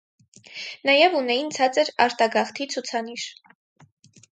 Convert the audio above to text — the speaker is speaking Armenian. Նաև ունեին ցածր արտագաղթի ցուցանիշ։